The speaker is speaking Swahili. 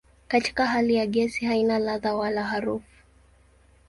Katika hali ya gesi haina ladha wala harufu.